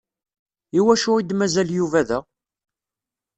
Iwacu i d-mazal Yuba da?